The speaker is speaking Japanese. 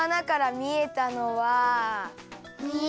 みえたのは？